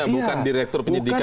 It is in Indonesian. bukan direktur penyidikan kpk